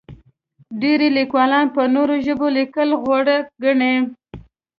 ډېری لیکوالان په نورو ژبو لیکل غوره ګڼي.